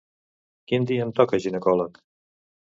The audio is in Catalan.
Quin dia em toca ginecòleg?